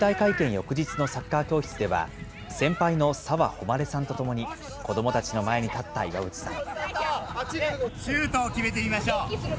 翌日のサッカー教室では、先輩の澤穂希さんとともに、子どもたちの前に立った岩渕さん。